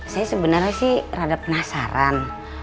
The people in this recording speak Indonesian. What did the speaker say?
saya sebenarnya sih rada penasaran